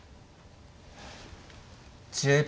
１０秒。